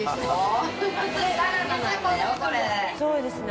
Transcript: そうですね